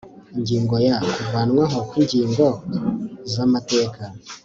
ingingo ya kuvanwaho kw ingingo z amateka